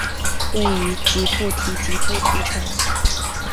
位于吉布提吉布提城。